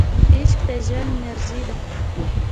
عشق د ژوند انرژي ده.